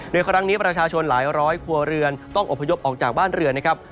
ในครั้งนี้ประชาชนหลายร้อยครัวเรือนต้องอบพยพออกจากบ้านเรือนนะครับ